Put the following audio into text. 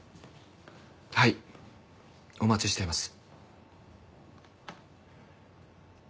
はいお待ちしています。